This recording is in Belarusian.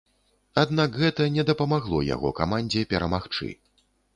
Аднак гэта не дапамагло яго камандзе перамагчы.